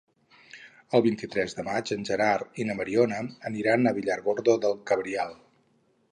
El vint-i-tres de maig en Gerard i na Mariona aniran a Villargordo del Cabriel.